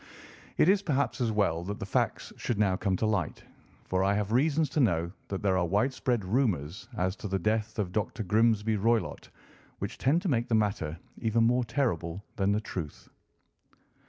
It is perhaps as well that the facts should now come to light, for I have reasons to know that there are widespread rumours as to the death of Dr. Grimesby Roylott which tend to make the matter even more terrible than the truth.